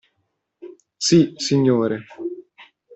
Sì, signore.